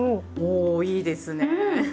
おいいですねぇ。